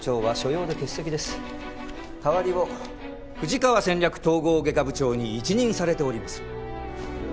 代わりを富士川戦略統合外科部長に一任されております。